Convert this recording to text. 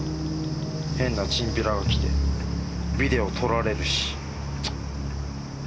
変なチンピラが来てビデオ取られるしチッ。